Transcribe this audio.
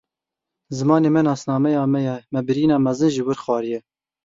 Zimanê me nasnameya me ye, me birîna mezin ji wir xwariye.